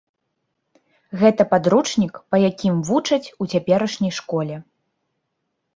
Гэта падручнік, па якім вучаць у цяперашняй школе.